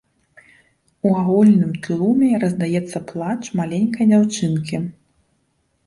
У агульным тлуме раздаецца плач маленькай дзяўчынкі.